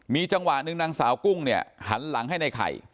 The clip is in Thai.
มีจังหวะหนึ่งนางสาวกุ้งเนี่ยหันหลังให้ในไข่